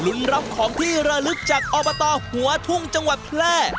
รับของที่ระลึกจากอบตหัวทุ่งจังหวัดแพร่